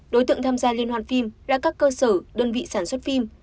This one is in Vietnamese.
đối tượng tham gia liên hoàn phim là các cơ sở đơn vị sản xuất phim